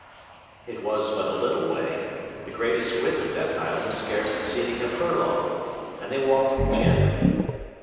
It was but a little way, the greatest width of that island scarce exceeding a furlong, and they walked gently.